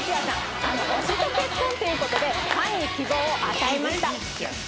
推しと結婚っていうことでファンに希望を与えました。